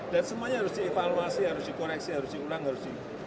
semuanya harus dievaluasi harus dikoreksi harus diulang harus di